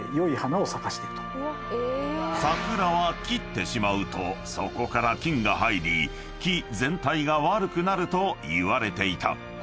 ［桜は切ってしまうとそこから菌が入り木全体が悪くなるといわれていた］